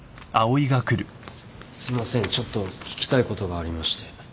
すいませんちょっと聞きたいことがありまして。